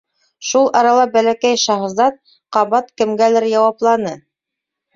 Шул арала Бәләкәй шаһзат ҡабат кемгәлер яуапланы: